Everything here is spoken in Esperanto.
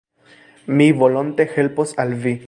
Mi volonte helpos al vi.